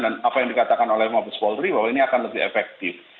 dan apa yang dikatakan oleh mabes polri bahwa ini akan lebih efektif